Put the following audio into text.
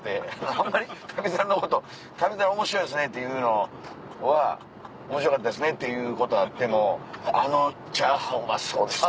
ホンマに『旅猿』のこと「『旅猿』面白いですね」っていうのは「面白かったですね」っていうことはあっても「あのチャーハンうまそうでしたね」